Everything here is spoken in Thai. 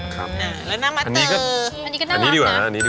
ครับอันนี้ดีกว่ะน่ะอันนี้ดิ